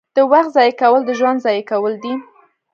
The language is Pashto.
• د وخت ضایع کول د ژوند ضایع کول دي.